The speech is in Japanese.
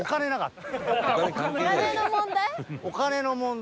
お金の問題？